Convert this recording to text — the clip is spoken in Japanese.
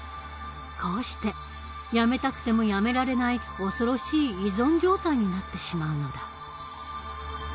こうしてやめたくてもやめられない恐ろしい依存状態になってしまうのだ。